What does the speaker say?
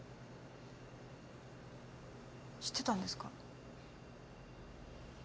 知ってたんですか？